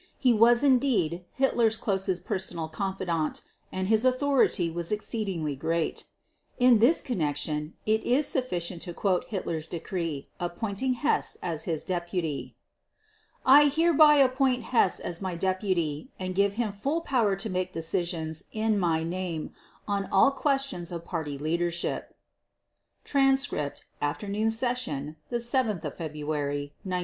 He was indeed Hitler's closest personal confidant and his authority was exceedingly great: In this connection it is sufficient to quote Hitler's decree appointing Hess as his deputy: "I hereby appoint Hess as my deputy and give him full power to make decisions in my name on all questions of Party leadership" (Transcript, Afternoon Session, 7 February 1946).